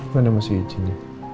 bagaimana masih izinnya